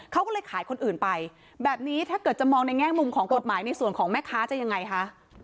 เขาก็เลยขายคนอื่นไปแบบนี้ถ้าเกิดจะมองในแง่มุมของกฎหมายในส่วนของแม่ค้าจะยังไงคะ